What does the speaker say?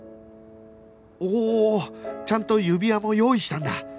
おおちゃんと指輪も用意したんだ